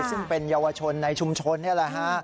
ซึ่งเป็นเยาวชนในชุมชนนี่แหละฮะ